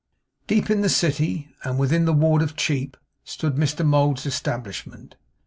Deep in the City, and within the ward of Cheap, stood Mr Mould's establishment.